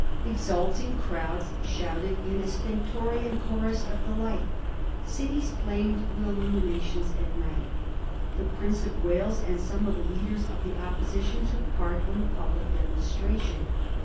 Exulting crowds shouted in a stentorian chorus of delight. Cities flamed with illuminations at night. The Prince of Wales and some of the leaders of the Opposition took part in the public demonstration.